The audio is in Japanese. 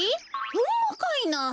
ほんまかいな？